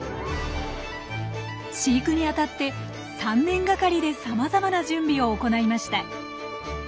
飼育にあたって３年がかりでさまざまな準備を行いました。